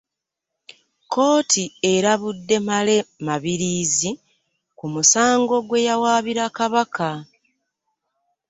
Kkooti erabudde Male Mabiriizi ku musango gwe yawaabira Kabaka.